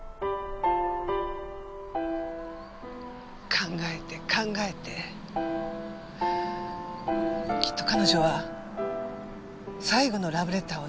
考えて考えてきっと彼女は最後のラブレターを出す事を決意した。